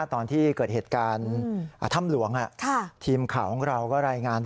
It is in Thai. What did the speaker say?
ตอนที่เกิดเหตุการณ์ท่ำหลวง